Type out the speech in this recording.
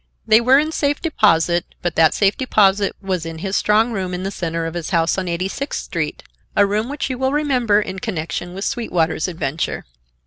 They were in safe deposit, but that safe deposit was in his strong room in the center of his house in Eighty sixth Street (a room which you will remember in connection with Sweetwater's adventure).